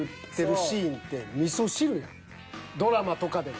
ドラマとかでも。